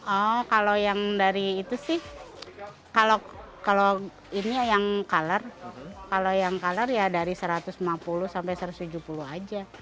oh kalau yang dari itu sih kalau ini ya yang color kalau yang color ya dari satu ratus lima puluh sampai satu ratus tujuh puluh aja